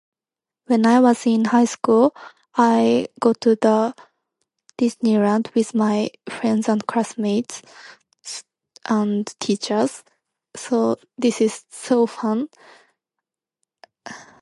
When I was in highschool, I go to the Disneyland with my friends and classmates, and teachers. So, this is so fun.